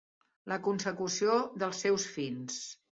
La consecució dels seus fins.